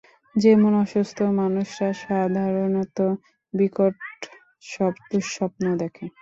যেমন-অসুস্থ মানুষরা সাধারণত বিকট সব দুঃস্বপ্ন দেখে।